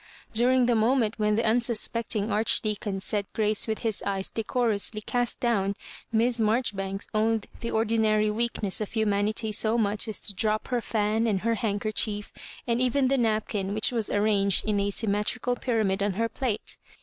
During the moment when the unsuspecting Archdeacon said grace with his eyes decorously cast down. Miss Marjoribanks owned the ordinary weakness of humanity so much as to drop her fan and her handkerchief, and even the napkin which was arranged in a symmetrical pyramid on her plate.